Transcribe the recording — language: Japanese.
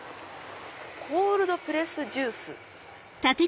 「コールドプレスジュース」。